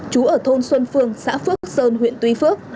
chú ở thôn xuân phương xã phước sơn huyện tuy phước